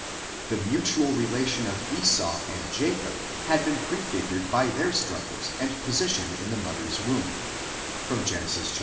The mutual relation of Esau and Jacob had been prefigured by their struggles and position in their mother's womb (Gen. xxv.